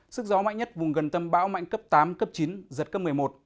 sức gió mạnh nhất vùng gần tâm bão mạnh cấp tám cấp chín giật cấp một mươi một